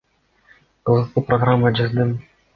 Кызыктуу программа жаздым